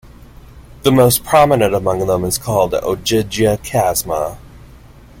The most prominent among them is called "Ogygia Chasma".